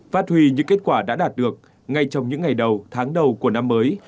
phát huy những kết quả đã đạt được ngay trong những ngày đầu tháng đầu của năm mới